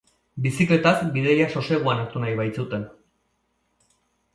Bizikletaz, bidaia soseguan hartu nahi bait zuten.